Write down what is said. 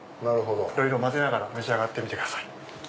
いろいろ混ぜながら召し上がってみてください。